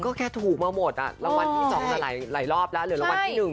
ก็แค่ถูกมาหมดอ่ะรางวัลที่สองจะไหลรอบแล้วหรือรางวัลที่หนึ่ง